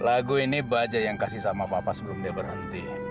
lagu ini baja yang kasih sama papa sebelum dia berhenti